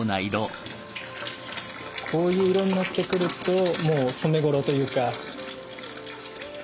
こういう色になってくるともう染め頃というか。